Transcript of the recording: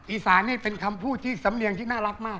อีสานนี่เป็นคำพูดที่สำเนียงที่น่ารักมาก